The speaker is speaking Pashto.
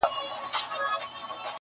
هغه زلمو او بوډاګانو ته منلی چنار-